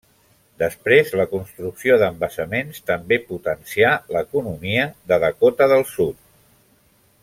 Després la construcció d'embassaments també potencià l'economia de Dakota del Sud.